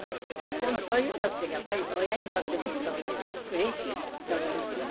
でもそういうのってやっぱり親にとってみるとうれしいと思いますよね。